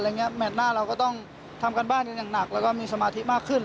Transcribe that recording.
แมทหน้าเราก็ต้องทำการบ้านกันอย่างหนักแล้วก็มีสมาธิมากขึ้น